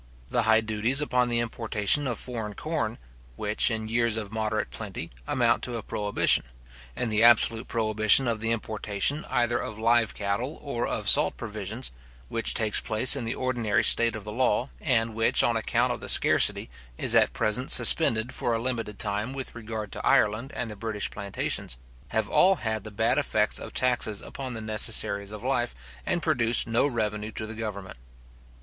The high duties upon the importation of foreign corn, which, in years of moderate plenty, amount to a prohibition; and the absolute prohibition of the importation, either of live cattle, or of salt provisions, which takes place in the ordinary state of the law, and which, on account of the scarcity, is at present suspended for a limited time with regard to Ireland and the British plantations, have all had the bad effects of taxes upon the necessaries of life, and produce no revenue to government.